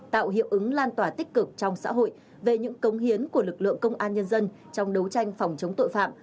tạo hiệu ứng lan tỏa tích cực trong xã hội về những công hiến của lực lượng công an nhân dân trong đấu tranh phòng chống tội phạm